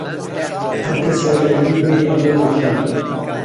هەرکەسێ ئەیدی پێی ئەبوو دڵشاد